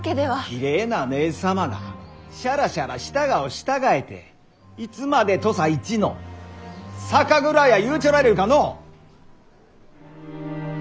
きれいなねえ様がシャラシャラしたがを従えていつまで土佐一の酒蔵や言うちょられるかのう？